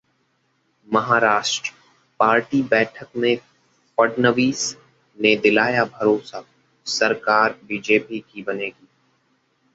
Maharashtra: party बैठक में फडणवीस ने दिलाया भरोसा- सरकार बीजेपी की बनेगी